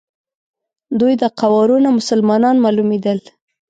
دوی د قوارو نه مسلمانان معلومېدل.